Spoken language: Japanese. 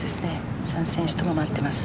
３選手とも回っています。